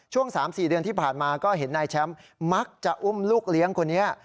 ๓๔เดือนที่ผ่านมาก็เห็นนายแชมป์มักจะอุ้มลูกเลี้ยงคนนี้